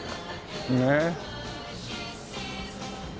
ねえ。